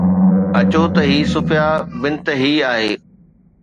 اچو ته هي صفيه بنت حي آهي